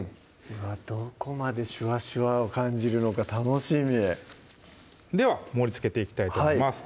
どこまでシュワシュワを感じるのか楽しみでは盛りつけていきたいと思います